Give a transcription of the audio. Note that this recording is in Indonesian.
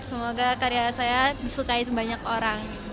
semoga karya saya disukai sebanyak orang